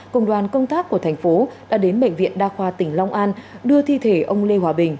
cùng đoàn công tác của thành phố đã đến bệnh viện đa khoa tỉnh long an đưa thi thể ông lê hòa bình